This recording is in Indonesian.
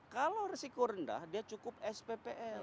kalau risiko rendah dia cukup sppl